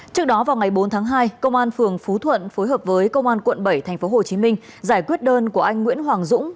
trước đó vào ngày bốn tháng hai công an phường phú thuận phối hợp với công an quận bảy tp hcm giải quyết đơn của anh nguyễn hoàng dũng